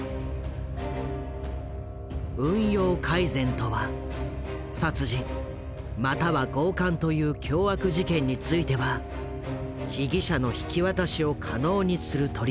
運用改善とは殺人又は強姦という凶悪事件については被疑者の引き渡しを可能にする取り決め。